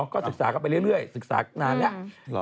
ก็ศึกษากันไปเรื่อยศึกษานานแล้ว